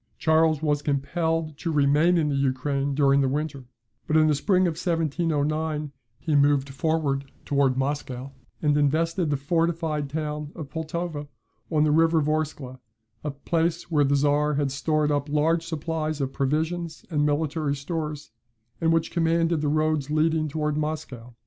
Charles was compelled to remain in the Ukraine during the winter; but in the spring of 1709 he moved forward towards Moscow, and invested the fortified town of Pultowa, on the river Vorskla, a place where the Czar had stored up large supplies of provisions and military stores, and which commanded the roads leading towards Moscow.